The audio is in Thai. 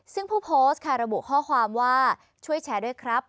ซึ่งผู้โพสต์ค่ะระบุข้อความว่าช่วยแชร์ด้วยครับ